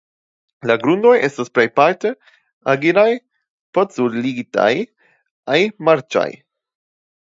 La grundoj estas plejparte argilaj podzoligitaj kaj marĉaj.